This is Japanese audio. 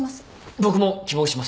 僕も希望します。